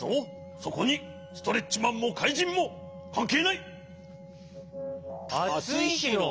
そこにストレッチマンもかいじんもかんけいない。